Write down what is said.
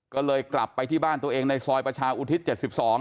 ก็เลยกลับไปที่บ้านตัวเองในซอยประชาอุทิศ๗๒